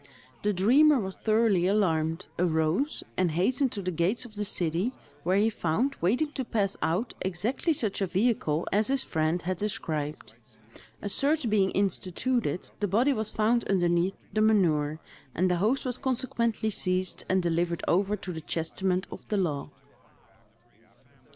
The dreamer was thoroughly alarmed, arose, and hastened to the gates of the city, where he found, waiting to pass out, exactly such a vehicle as his friend had described. A search being instituted, the body was found underneath the manure; and the host was consequently seized, and delivered over to the chastisement of the law.